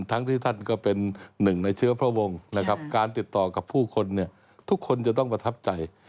ทั้งที่ท่านก็เป็นหนึ่งในเชื้อพระวงศ์นะครับการติดต่อกับผู้คนเนี่ยทุกคนจะต้องประทับใจ